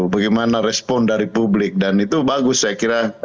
bagaimana respon dari publik dan itu bagus saya kira